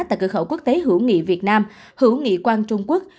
tại cửa khẩu quốc tế hữu nghị việt nam hữu nghị quan trung quốc